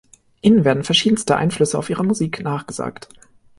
Ihnen werden verschiedenste Einflüsse auf ihre Musik nachgesagt.